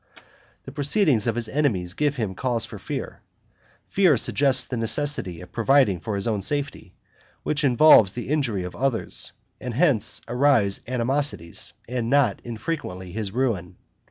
The proceedings of his enemies give him cause for fear; fear suggests the necessity of providing for his own safety, which involves the injury of others; and hence arise animosities, and not unfrequently his ruin.